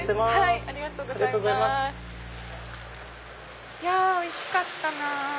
いやおいしかったなぁ。